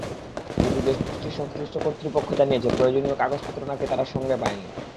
কিন্তু দেশটির সংশ্লিষ্ট কর্তৃপক্ষ জানিয়েছে, প্রয়োজনীয় কাগজপত্র নাকি তারা সঙ্গে পায়নি।